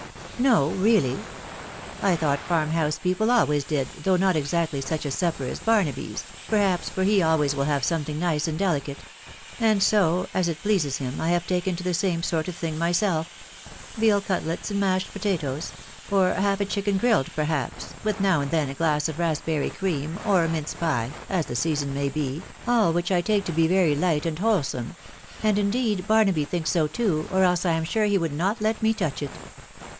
" No, really ?.... I thought farm house people always did, though not exactly such a supper as Barnaby's, perhaps for he always will have something nice and delicate ; and so, as it pleases him, I have taken to the same sort of thing myself •.•• veal cutlets and mashed potatoes, .... or half a chicken grilled perhaps, with now and then a glass of rasp berry cream, or a mince pie, as the season may be, all which I take to be very light and wholesome ; and indeed Barnaby thinks so too, or else I am sure he would not let me touch it.